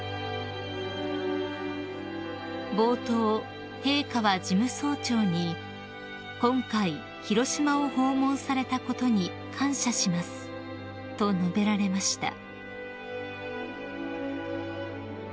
［冒頭陛下は事務総長に「今回広島を訪問されたことに感謝します」と述べられました］